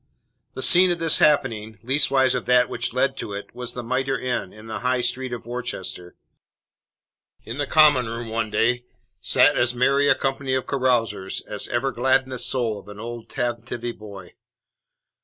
The scene of this happening leastways of that which led to it was The Mitre Inn, in the High Street of Worcester. In the common room one day sat as merry a company of carousers as ever gladdened the soul of an old tantivy boy.